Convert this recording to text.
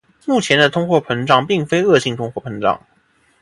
目前的通货膨胀并非恶性通货膨胀。